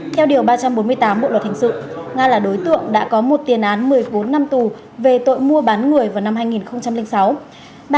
theo điều ba trăm bốn mươi tám bộ luật hình sự nga là đối tượng đã có một tiền án một mươi bốn năm tù về tội mua bán người vào năm hai nghìn sáu